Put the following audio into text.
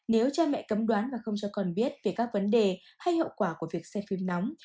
nếu cha mẹ cấm đoán và không cho con biết về các vấn đề hay hậu quả của việc xe phim nóng